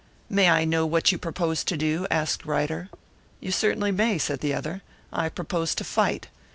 "May I know what you propose to do?" asked Ryder. "You certainly may," said the other. "I propose to fight.